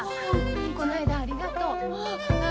こないだはありがとう。